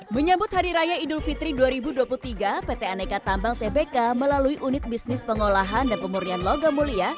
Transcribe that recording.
menyambut hari raya idul fitri dua ribu dua puluh tiga pt aneka tambang tbk melalui unit bisnis pengolahan dan pemurnian logam mulia